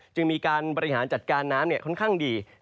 จึงมีการบริหารจัดการน้ำค่อนข้างดี